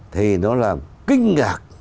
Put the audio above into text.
thì nó làm kinh ngạc